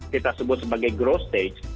kita sebut sebagai growth stage